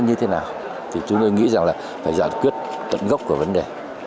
như thế nào thì chúng tôi nghĩ rằng là phải giải quyết tận gốc của vấn đề